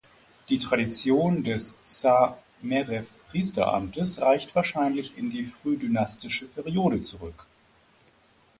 Die Tradition des Sa-meref-Priesteramtes reicht wahrscheinlich in die frühdynastische Periode zurück.